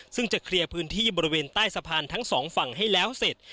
ซึ่งจะเคลียร์พื้นที่บริเวณใต้สะพานทั้งสองฝั่งให้แล้วเสร็จ